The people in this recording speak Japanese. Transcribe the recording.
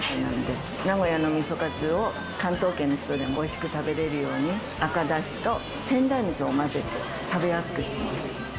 名古屋のミソカツを関東圏の人に美味しく食べられるように、赤だしと仙台味噌を混ぜて食べやすくしてます。